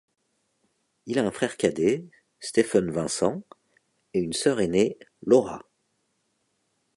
Il a un frère cadet Stephen Vincent et une sœur aînée Laura.